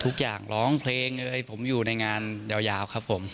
ทุกอย่างร้องเพลงเลยผมอยู่ในงานยาวครับผม